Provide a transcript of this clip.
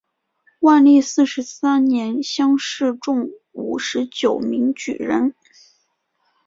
万历四十三年乡试中五十九名举人。